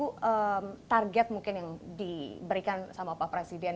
untuk burka tarian